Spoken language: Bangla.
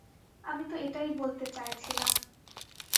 আমি তো এটাই বলতে চাইছিলাম।